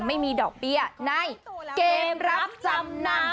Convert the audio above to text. ไม่มีดอกเบี้ยในเกมรับจำนำ